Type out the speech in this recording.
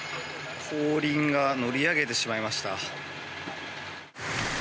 後輪が乗り上げてしまいました。